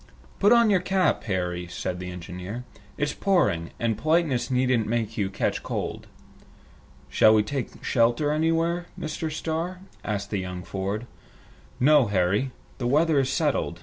"Put on your cap, Harry," said the engineer. "It's pouring, and politeness needn't make you catch cold." "Shall we take shelter anywhere, Mr. Starr?" asked young Ford. "No, Harry. The weather is settled.